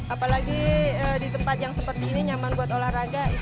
apalagi di tempat yang seperti ini nyaman buat olahraga